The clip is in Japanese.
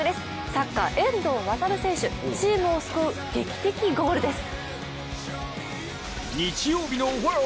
サッカー・遠藤航選手、チームを救う劇的ゴールです。